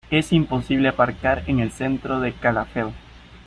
Es imposible aparcar en el centro de Calafell.